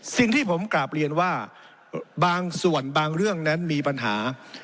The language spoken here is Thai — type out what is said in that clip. สิ่งที่ผมกลับเรียนว่าบางส่วนบางเรื่องนั้นมีปัญหา